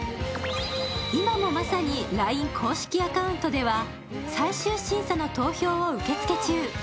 今もまさにＬＩＮＥ公式アカウントでは、最終審査の投票を受付中。